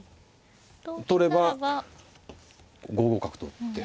取れば５五角と打って。